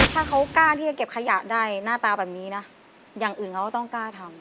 ถ้าเขากล้าที่จะเก็บขยะได้หน้าตาแบบนี้นะอย่างอื่นเขาก็ต้องกล้าทำ